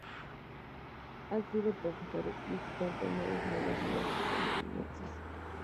Ha sido profesor visitante en varias universidades estadounidenses.